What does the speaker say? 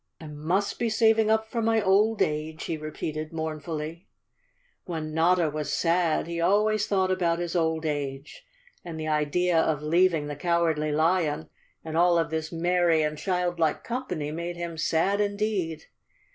I must be saving up for my old age," he repeated mournfully. Chapter Twenty Two When Notta was sad, he always thought about his old age, and the idea of leaving the Cowardly Lion and all of this merry and childlike company made him sad indeed.